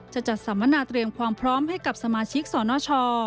จะจัดสำนาตรีเรียนความพร้อมให้กับสมาชิกสรณชอ